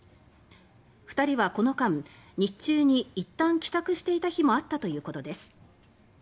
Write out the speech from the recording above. ２人はこの間、日中に一旦帰宅していた日もあったということです。